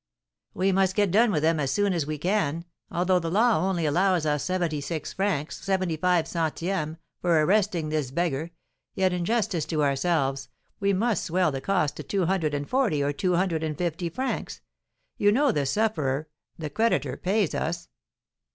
"We must get done with them as soon as we can. Although the law only allows us seventy six francs, seventy five centièmes, for arresting this beggar, yet, in justice to ourselves, we must swell the costs to two hundred and forty or two hundred and fifty francs. You know the sufferer (the creditor) pays us!"